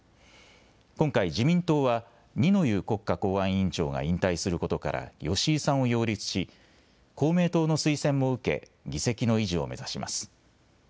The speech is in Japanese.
今回、自民党は、二之湯国家公安委員長が引退することから、吉井さんを擁立し公明党の推薦も受け、議席の維持を目指します。